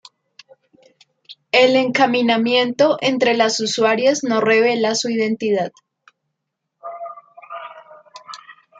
el encaminamiento entre las usuarias no revela su identidad